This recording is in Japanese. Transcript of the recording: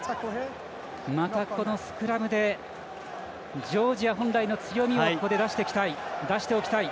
また、このスクラムでジョージアは本来の強みをここで出しておきたい。